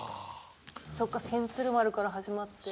そっか千鶴丸から始まって。